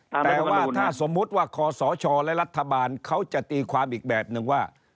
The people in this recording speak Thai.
แต่ว่าถ้าสมมุติว่าคอสชและรัฐบาลเขาจะตีความอีกแบบนึงว่า